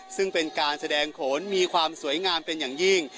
ซึ่งเป็นการแสดงโขนมีความสวยงามเป็นอย่างยิ่ง